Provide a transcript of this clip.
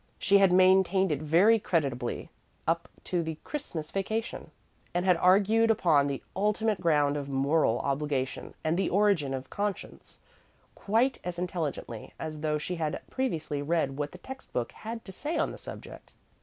She had maintained it very creditably up to the Christmas vacation, and had argued upon the ultimate ground of moral obligation and the origin of conscience quite as intelligently as though she had previously read what the text book had to say on the subject.